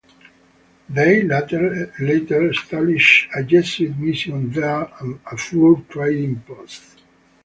They later established a Jesuit mission there and a fur trading post.